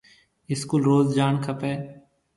اسڪول روز جاڻ کپيَ۔